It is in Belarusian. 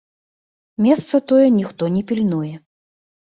Месца тое ніхто не пільнуе.